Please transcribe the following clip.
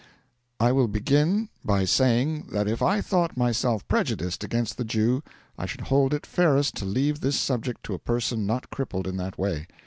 I will begin by saying that if I thought myself prejudiced against the Jew, I should hold it fairest to leave this subject to a person not crippled in that way.